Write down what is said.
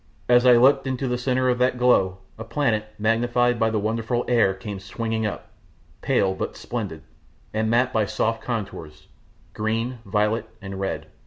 As I looked into the centre of that glow, a planet, magnified by the wonderful air, came swinging up, pale but splendid, and mapped by soft colours green, violet, and red.